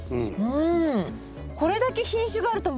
うん。